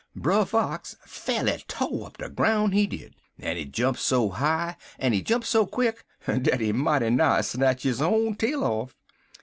Brer Fox fa'rly to' up de groun' he did, en he jump so high en he jump so quick dat he mighty nigh snatch his own tail off.